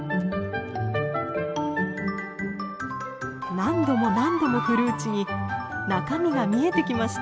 何度も何度も振るうちに中身が見えてきました。